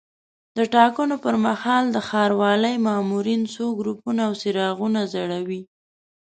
د ټاکنو پر مهال د ښاروالۍ مامورین څو ګروپونه او څراغونه ځړوي.